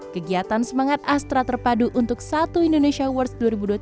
kegiatan semangat astra terpadu untuk satu indonesia awards dua ribu dua puluh tiga